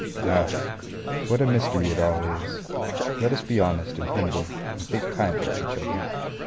Ah, what a mystery it all is! Let us be honest and humble and think kindly of each other.